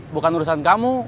bukan urusan kamu